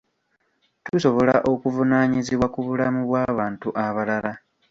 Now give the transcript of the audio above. Tusobola okuvunaanyizibwa ku bulamu bw'abantu abalala.